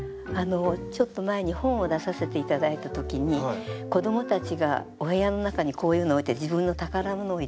ちょっと前に本を出させて頂いたときに子どもたちがお部屋の中にこういうのを置いて自分の宝物を入れて。